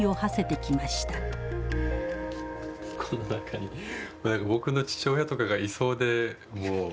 この中に僕の父親とかがいそうでもうこのなんか。